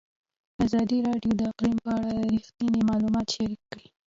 ازادي راډیو د اقلیم په اړه رښتیني معلومات شریک کړي.